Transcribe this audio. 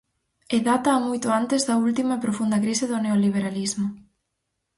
E dátaa moito antes da última e profunda crise do neoliberalismo.